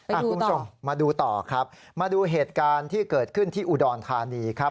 คุณผู้ชมมาดูต่อครับมาดูเหตุการณ์ที่เกิดขึ้นที่อุดรธานีครับ